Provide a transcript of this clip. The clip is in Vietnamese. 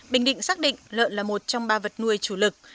bình định xác định lợn là một trong ba vật nuôi chủ lực